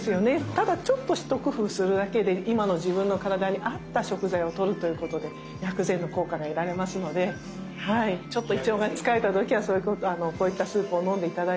ただちょっと一工夫するだけで今の自分の体に合った食材をとるということで薬膳の効果が得られますのでちょっと胃腸が疲れた時はこういったスープを飲んで頂いて。